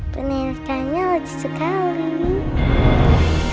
penelitiannya lucu sekali